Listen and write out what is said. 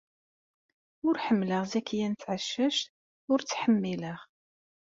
Ur ḥemmleɣ Zakiya n Tɛeccact, ur tt-ttḥemmileɣ.